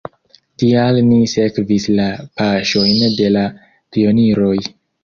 Tial ni sekvis la paŝojn de la pioniroj!